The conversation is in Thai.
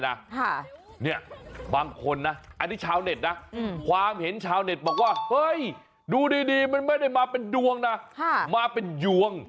เนี่ยบางคนนะอันนี้ชาวเน็ตนะความเห็นชาวเน็ตบอกว่าเฮ้ยดูดีมันไม่ได้มาเป็นดวงนะมาเป็นยวง